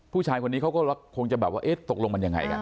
ผู้ชายคนนี้เขาก็คงจะแบบว่าเอ๊ะตกลงมันยังไงกัน